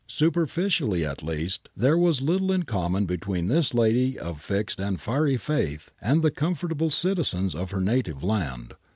Superficially at least there was little m common between this lady of fixed and fiery faith and the comfortable citizens of her native island.